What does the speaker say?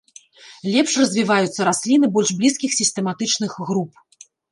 Лепш развіваюцца расліны больш блізкіх сістэматычных груп.